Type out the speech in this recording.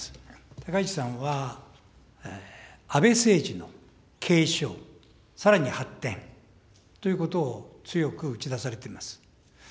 高市さんは、安倍政治の継承、さらに発展ということを強く打ち出されています。